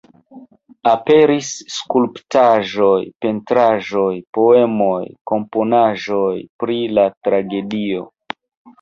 Aperis skulptaĵoj, pentraĵoj, poemoj, komponaĵoj pri la tragedio.